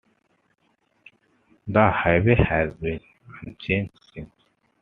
The highway has been unchanged since.